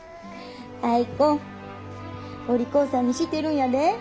アイ子お利口さんにしてるんやで。